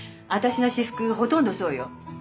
私の私服ほとんどそうよ。